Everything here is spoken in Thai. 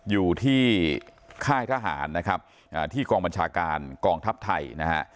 อยู่ที่ค่ายทหารนะครับที่กองบัญชาการกองทัพไทยนะฮะ